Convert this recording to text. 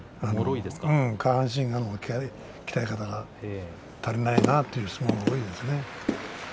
下半身が、鍛え方が足りないなという相撲が多いですね。